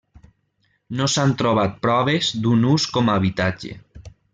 No s'han trobat proves d'un ús com habitatge.